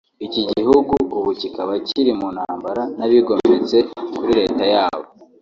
iki gihugu ubu kikaba kiri mu ntambara n’abigometse kuri Leta yabo